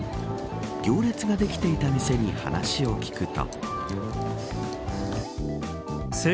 行列ができていた店に話を聞くと。